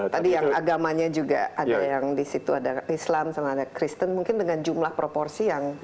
tadi yang agamanya juga ada yang di situ ada islam sama ada kristen mungkin dengan jumlah proporsi yang